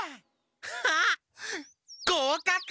あっごうかく！